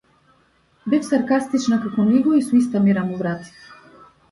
Бев саркастична како него и со иста мера му вратив.